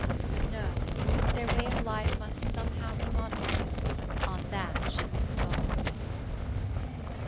But no; their way of life must somehow be modified; on that she was resolved.